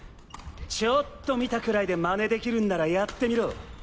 ちょっと見たくらいで真似できるんならやってみろ！